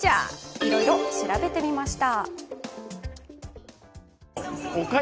いろいろ調べてみました。